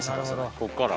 ここから？